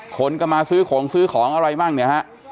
คนก็มาซื้อของซื้อของอะไรมั่งเนี่ยฮะ